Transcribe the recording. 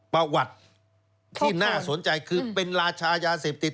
ประวัติที่น่าสนใจคือเป็นราชายาเสพติด